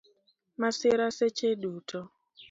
Masira seche duto